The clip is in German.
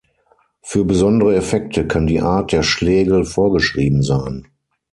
Für besondere Effekte kann die Art der Schlägel vorgeschrieben sein.